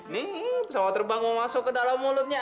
nih pesawat terbang mau masuk ke dalam mulutnya